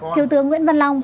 thiếu tướng nguyễn văn long